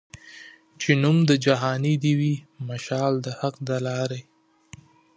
چي نوم د جهاني دي وي مشال د حق د لاري